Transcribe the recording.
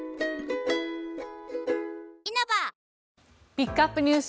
ピックアップＮＥＷＳ